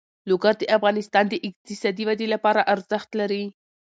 لوگر د افغانستان د اقتصادي ودې لپاره ارزښت لري.